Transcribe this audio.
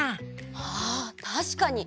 あたしかに！